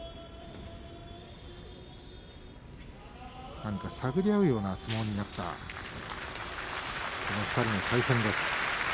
何か探り合うような相撲になったこの２人の対戦です。